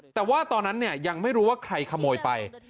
แต่ว่าตอนนั้นยังไม่รู้ว่าใครขโมยไป